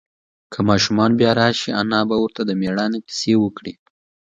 که ماشوم بیا راشي، انا به ورته د مېړانې قصې وکړي.